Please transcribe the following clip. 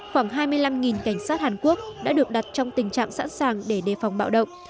khoảng hai mươi năm cảnh sát hàn quốc đã được đặt trong tình trạng sẵn sàng để đề phòng bạo động